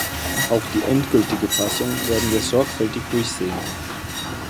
Auch die endgültige Fassung werden wir sorgfältig durchsehen.